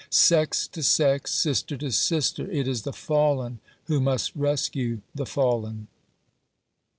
Sex to sex, sister to sister, it is the fallen who must rescue the fallen."